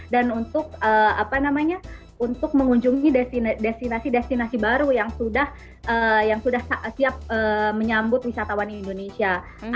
dan untuk mengunjungi destinasi destinasi baru yang sudah siap menyambut wisatawan indonesia